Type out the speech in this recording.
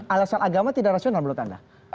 alasan agama tidak rasional menurut anda